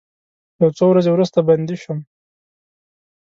یو څو ورځې وروسته بندي شوم.